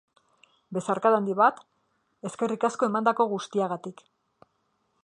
Besarkada handi bat, eskerrik asko emandako guztiagatik.